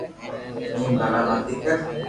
ايم ڀللا متي ڪر